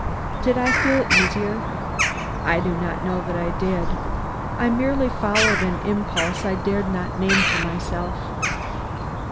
Did I feel easier? I do not know that I did. I merely followed an impulse I dared not name to myself.